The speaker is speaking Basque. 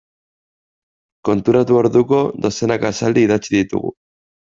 Konturatu orduko dozenaka esaldi idatzi ditugu.